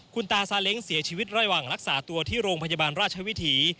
คุณตาซาเล้งเสียชีวิตระหว่างรักษาตัวที่โรงพยาบาลราชวิถี